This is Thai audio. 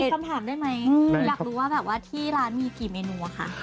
คำถามได้ไหมอยากรู้ว่าแบบว่าที่ร้านมีกี่เมนูอะค่ะ